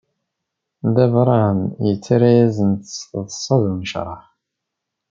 Dda Brahem yettara-yasen-d s taḍsa d unecraḥ.